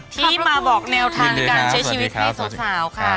กลับยินดีมาบอกแนวทางการเชื่อชีวิตใหม่สาวค่ะ